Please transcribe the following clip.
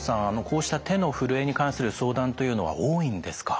こうした手のふるえに関する相談というのは多いんですか？